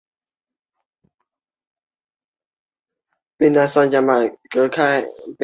谊柯是壳斗科柯属的植物。